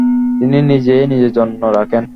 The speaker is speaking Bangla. তিনি নিজেই নিজের জন্য রাখেন।